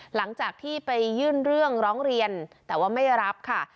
หลังจากที่ไปยื่นเรื่องร้องเรียนแต่ว่าไม่รับค่ะ